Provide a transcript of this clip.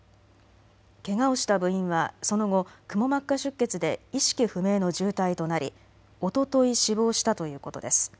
けがをした部員はその後、くも膜下出血で意識不明の重体となり、おととい死亡したということです。